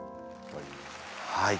はい。